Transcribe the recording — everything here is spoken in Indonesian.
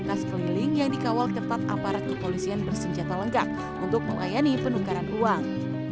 tas keliling yang dikawal ketat aparat kepolisian bersenjata lengkap untuk melayani penukaran uang